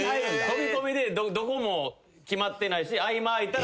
飛び込みでどこも決まってないし合間空いたら。